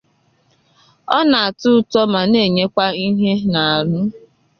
Ọ na-atọ ụtọ ma na-enyekwa ihe n’ahụ